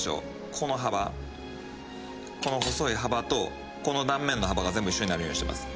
この幅この細い幅とこの断面の幅が全部一緒になるようにしてます。